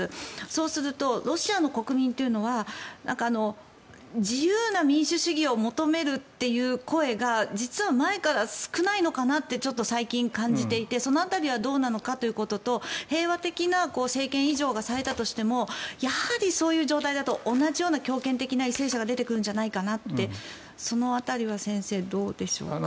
そうするとロシアの国民というのは自由な民主主義を求めるっていう声が実は前から少ないのかなってちょっと最近感じていてその辺りはどうなのかということと平和的な政権移譲がされたとしてもやはり、そういう状態だと同じような強権的な為政者が出てくるんじゃないかなってその辺りは先生、どうでしょうか。